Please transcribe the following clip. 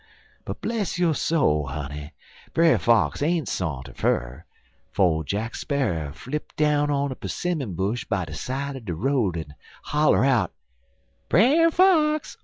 But, bless yo' soul, honey, Brer Fox ain't sa'nter fur, 'fo' Jack Sparrer flipp down on a 'simmon bush by de side er de road, en holler out: "'Brer Fox!